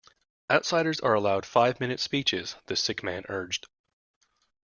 Outsiders are allowed five minute speeches, the sick man urged.